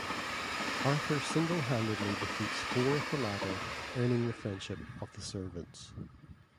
Arthur singlehandedly defeats four of the latter, earning the friendship of the Servants.